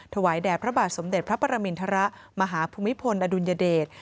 แด่พระบาทสมเด็จพระปรมินทรมาหาภูมิพลอดุลยเดช